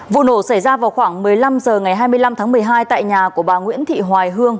vụ nổ xảy ra vào khoảng một mươi năm h ngày hai mươi năm tháng một mươi hai tại nhà của bà nguyễn thị hoài hương